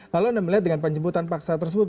lalu anda melihat dengan penjemputan paksa tersebut